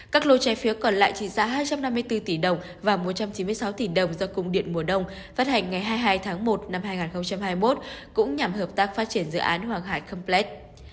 các lô trái phiếu còn lại trị giá hai trăm năm mươi bốn tỷ đồng và một trăm chín mươi sáu tỷ đồng do cung điện mùa đông phát hành ngày hai mươi hai tháng một năm hai nghìn hai mươi một cũng nhằm hợp tác phát triển dự án hoàng hải complet